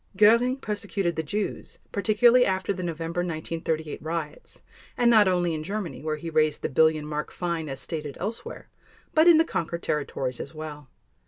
Göring persecuted the Jews, particularly after the November 1938 riots, and not only in Germany where he raised the billion mark fine as stated elsewhere, but in the conquered territories as well.